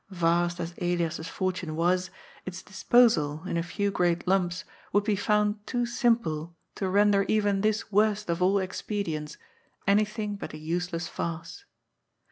Vast as Elias's fortune was, its disposal, in a few great lumps, would be found too simple to render even this worst of all expedients anything but a useless farce.